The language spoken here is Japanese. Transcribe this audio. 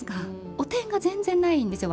汚点が全然ないんですよ